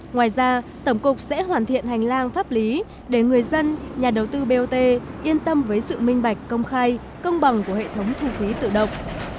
ngoài ra tổng cục sẽ hoàn thiện hành lang pháp lý để người dân nhà đầu tư bot yên tâm với sự minh bạch công khai công bằng của hệ thống thu phí tự động